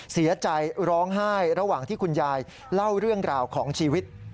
เสียใจร้องไห้ระหว่างที่คุณยายเล่าเรื่องราวของชีวิต